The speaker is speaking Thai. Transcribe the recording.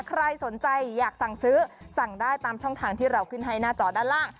ใครสนใจอยากสั่งซื้อสั่งได้ตามช่องทางที่เราขึ้นให้หน้าจอด้านล่าง